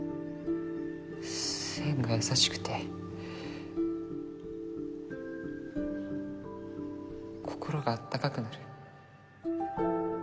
線が優しくて心が温かくなる。